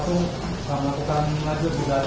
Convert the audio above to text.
tim satu melakukan pengajuan juga